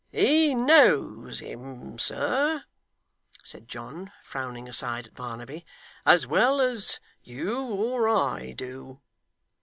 'He knows him, sir,' said John, frowning aside at Barnaby, 'as well as you or I do.